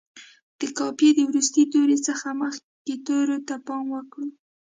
د قافیې د وروستي توري څخه مخکې تورو ته پام وکړو.